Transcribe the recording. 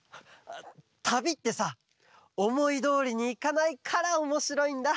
たびってさおもいどおりにいかないからおもしろいんだ！